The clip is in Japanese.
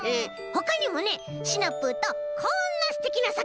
ほかにもねシナプーとこんなすてきなさくひんをつくったよ！